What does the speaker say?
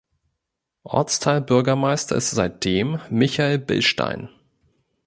Ortsteilbürgermeister ist seitdem Michael Bilstein.